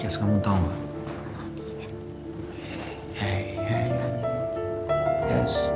jess kamu tau gak